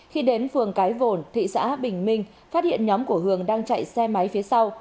khi đến phường cái vồn thị xã bình minh phát hiện nhóm của hường đang chạy xe máy phía sau